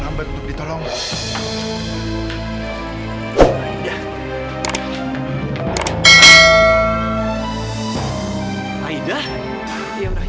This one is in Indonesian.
kamu ngapain masih di sini